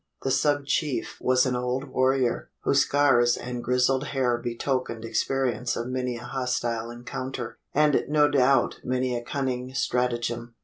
The sub chief was an old warrior, whose scars and grizzled hair betokened experience of many a hostile encounter, and no doubt many a cunning stratagem.